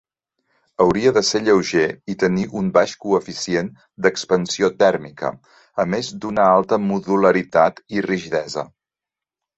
Hauria de ser lleuger i tenir un baix coeficient d"expansió tèrmica, a més d"una alta modularitat i rigidesa.